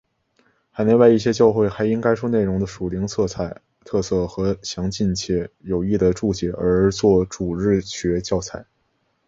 海内外一些教会还因该书内容的属灵特色和详尽且有益的注解而用作主日学教材。